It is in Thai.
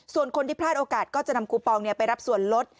ส่วนคนที่พลาดโอกาสก็จะนำคูปองไปรับส่วนลด